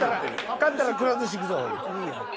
勝ったら「くら寿司」行くぞ。